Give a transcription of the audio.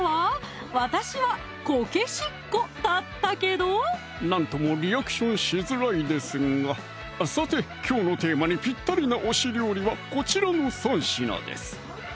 そういえばなんともリアクションしづらいですがさてきょうのテーマにぴったりな推し料理はこちらの３品です